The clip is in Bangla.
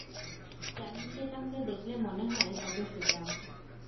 চ্যানিং টেটাম কে দেখলে মনে হয় কত সোজা।